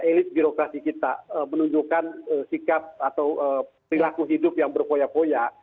elit birokrasi kita menunjukkan sikap atau perilaku hidup yang berpoya poya